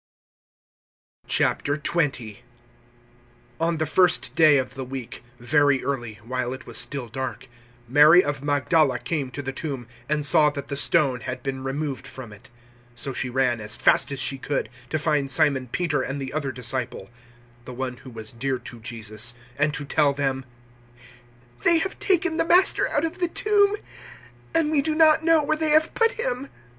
020:001 On the first day of the week, very early, while it was still dark, Mary of Magdala came to the tomb and saw that the stone had been removed from it. 020:002 So she ran, as fast as she could, to find Simon Peter and the other disciple the one who was dear to Jesus and to tell them, "They have taken the Master out of the tomb, and we do not know where they have put Him."